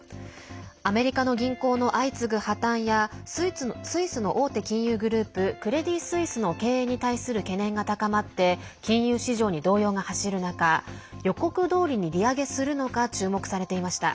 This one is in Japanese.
アメリカの銀行の相次ぐ破綻やスイスの大手金融グループクレディ・スイスの経営に対する懸念が高まって金融市場に動揺が走る中予告どおりに利上げするのか注目されていました。